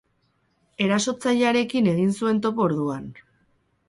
Erasotzailearekin egin zuen topo orduan.